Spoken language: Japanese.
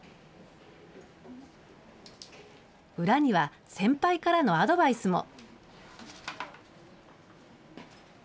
裏には先輩からのアドバイスも。